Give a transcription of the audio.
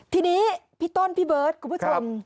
ทีนี้พี่ต้นพี่เบิร์ตคุณผู้ชม